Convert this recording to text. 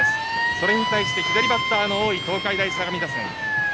それに対して左バッターの多い東海大相模打線。